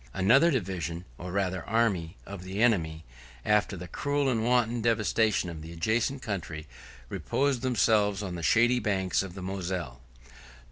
Another division, or rather army, of the enemy, after the cruel and wanton devastation of the adjacent country, reposed themselves on the shady banks of the Moselle.